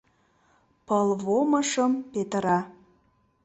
Пылвомышым петыра